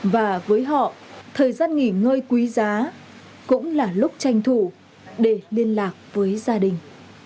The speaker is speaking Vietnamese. và với họ thời gian nghỉ ngơi quý giá cũng là lúc tranh thủ để liên lạc với gia đình